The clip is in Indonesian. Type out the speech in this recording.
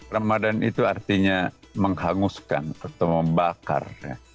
ramadan itu artinya menghanguskan atau membakar